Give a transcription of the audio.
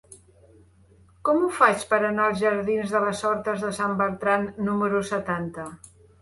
Com ho faig per anar als jardins de les Hortes de Sant Bertran número setanta?